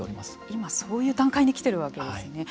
今、そういう段階に来ているわけですね。